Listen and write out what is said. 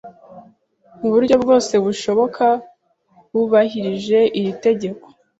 mu buryo bwose bushoboka, bubahirije iri tegeko